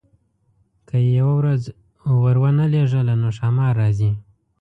که یې یوه ورځ ورونه لېږله نو ښامار راځي.